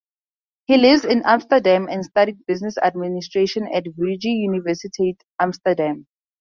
He lives in Amsterdam and studies business administration at Vrije Universiteit Amsterdam.